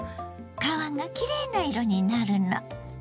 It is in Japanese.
皮がきれいな色になるの。